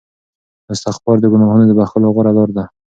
استغفار د ګناهونو د بخښلو غوره لاره ده.